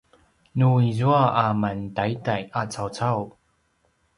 nu izua a mantaiday a cawcau